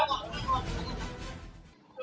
กูชมเห็นคู่หลีมันตามเข้าไปแทง๒คนนั้นเนี่ยตาย๑